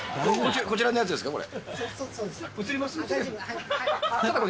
こちらのやつですか、これ。